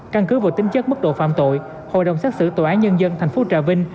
căn cứ vô tính chất mức độ phạm tội hội đồng xét xử tòa án nhân dân thành phố trà vinh